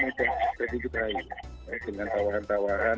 menderbit air dengan tawaran tawaran